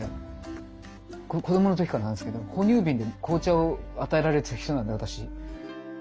子どもの時からなんですけど哺乳瓶で紅茶を与えられてる人なんで私。